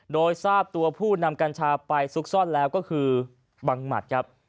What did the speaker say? โดยทราบตัวผู้นำกัญชาไปซุกซ่อนแล้วก็คือบังหมัดครับ